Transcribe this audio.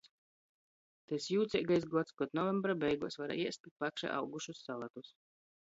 Tys jūceigais gods, kod novembra beiguos var ēst pi pakša augušus salatus.